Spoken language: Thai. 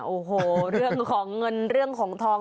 โอ้โหเรื่องของเงินเรื่องของทอง